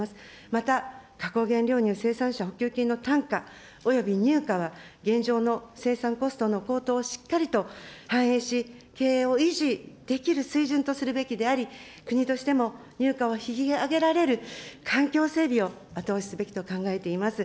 また、加工原料乳生産者補給金の単価及び乳価は、現状の生産コストの高騰をしっかりと反省し、経営を維持できる水準とするべきであり、国としても乳価を引き上げられる環境整備を後押しすべきと考えています。